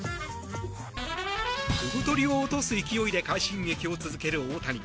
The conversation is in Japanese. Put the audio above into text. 飛ぶ鳥を落とす勢いで快進撃を続ける大谷。